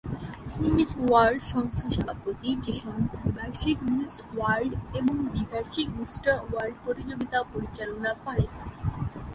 তিনি Miss World সংস্থার সভাপতি, যে সংস্থা বার্ষিক মিস ওয়ার্ল্ড এবং দ্বিবার্ষিক মিস্টার ওয়ার্ল্ড প্রতিযোগিতা পরিচালনা করে।